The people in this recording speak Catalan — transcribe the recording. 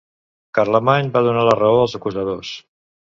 Carlemany va donar la raó als acusadors.